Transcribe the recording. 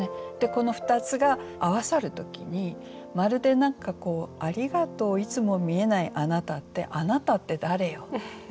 この２つが合わさる時にまるで何かこう「ありがとういつも見えないあなた」って「あなた」って誰よ？